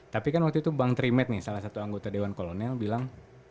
tapi kan waktu itu bang trimet nih salah satu anggota dewan kolonel bilang